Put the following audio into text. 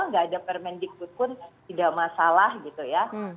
tidak ada permendikus pun tidak masalah gitu ya